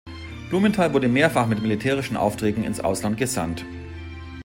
Blumenthal wurde mehrfach mit militärischen Aufträgen ins Ausland gesandt.